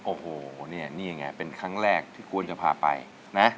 โอ้โหเนี่ยนี่ไงเป็นครั้งแรกที่ควรจะพาไปนะ